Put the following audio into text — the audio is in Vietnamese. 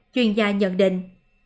chuyên gia nhận định